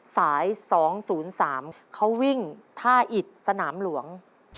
สาย๒๐๓เขาวิ่งท่าอิดสนามหลวง